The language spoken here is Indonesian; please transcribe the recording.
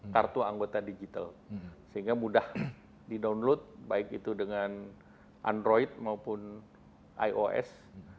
kartu anggota digital sehingga mudah di download baik itu dengan android maupun ios